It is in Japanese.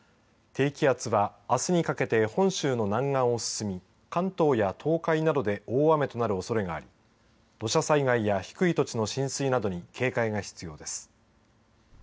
低気圧は、あすにかけて本州の南岸を進み関東や東海などで大雨となるおそれがあり土砂災害や低い土地の浸水などに警戒が必要です。